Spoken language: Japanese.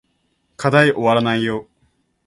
課題おわらないよ